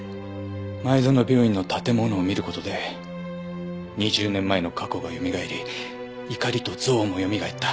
前園病院の建物を見る事で２０年前の過去がよみがえり怒りと憎悪もよみがえった。